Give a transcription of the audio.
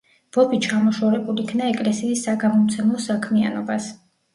ბოფი ჩამოშორებულ იქნა ეკლესიის საგამომცემლო საქმიანობას.